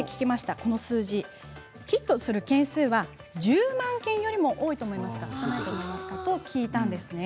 この数字、ヒットする件数は１０万件よりも多いと思いますか少ないと思いますかと聞いたんです。